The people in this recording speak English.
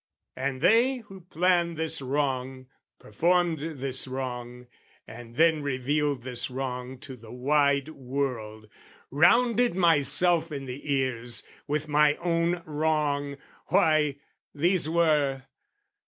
And they who planned this wrong, performed this wrong, And then revealed this wrong to the wide world, Rounded myself in the ears with my own wrong, Why, these were...